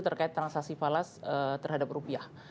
terkait transaksi falas terhadap rupiah